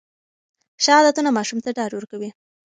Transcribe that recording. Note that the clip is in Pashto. ښه عادتونه ماشوم ته ډاډ ورکوي.